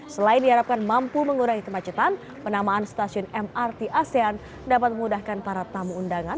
selain diharapkan mampu mengurangi kemacetan penamaan stasiun mrt asean dapat memudahkan para tamu undangan